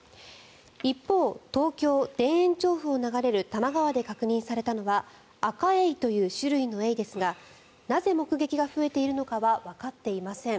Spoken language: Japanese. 一方、東京・田園調布を流れる多摩川で確認されたのはアカエイという種類のエイですがなぜ目撃が増えているのかはわかっていません。